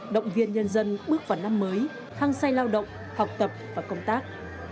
động viên nhân dân bước vào năm mới hăng say lao động học tập và công tác